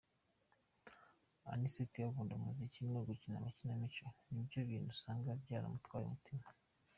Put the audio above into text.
Anicet akunda umuziki no gukina amakinamico, nibyo bintu usanga byaramutwaye umutima.